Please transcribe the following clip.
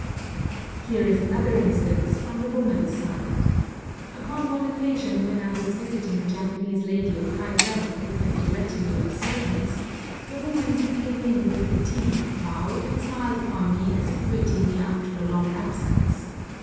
Here is another instance, from the woman's side. Upon one occasion, when I was visiting a Japanese lady of high rank who kept a retinue of servants, the woman who came in with the tea bowed and smiled upon me as if greeting me after a long absence.